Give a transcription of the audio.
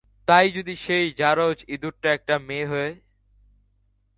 তাই যদি সেই জারজ ইঁদুরটা একটা মেয়ে হয়?